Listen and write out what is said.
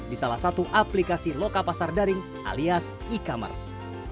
di salah satu aplikasi loka pasar daring alias e commerce